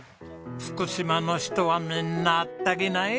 福島の人はみんなあったけえない！